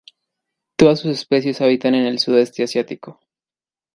Todas sus especies habitan en el sudeste asiático.